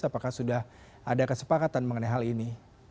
apakah sudah ada kesepakatan mengenai hal ini